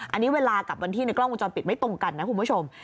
อันนี้เวลากับวันที่ในกล้องวงจรปิดไม่ตรงกันนะคุณผู้ชม